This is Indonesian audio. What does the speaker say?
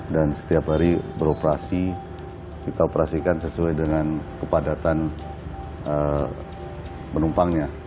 dan setiap hari beroperasi kita operasikan sesuai dengan kepadatan penumpangnya